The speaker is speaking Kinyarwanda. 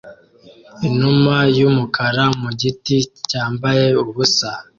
Inuma yumukara mu giti cyambaye ubusa